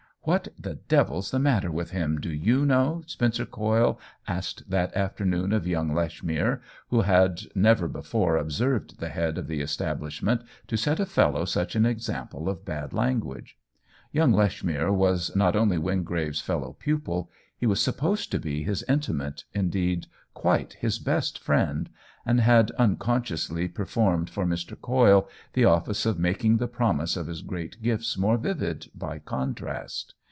What the devil's the matter with him, do you know?*' Spencer Coyle asked that afternoon of young Lechmere, who had never before observed the head of the es tablishment to set a fellow such an example of bad language. Young Lechmere was not only Wingrave's fellow pupil, he was supposed to be his intimate, indeed quite 154 OWEN WINGRAVE his best friend, and had unconsciously per formed for Mr. Coyle the office of making the promise of his great gifts more vivid by contrast.